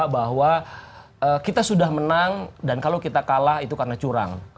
bahwa kita sudah menang dan kalau kita kalah itu karena curang